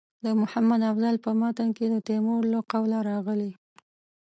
د محمد افضل په متن کې د تیمور له قوله راغلي.